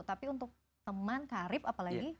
tapi untuk teman karib apalagi